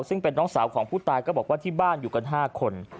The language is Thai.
ซึ่งเป็นน้องสาวของผู้ตายก็บอกว่าที่บ้านอยู่กัน๕คน